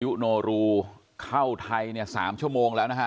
โนรูเข้าไทยเนี่ย๓ชั่วโมงแล้วนะฮะ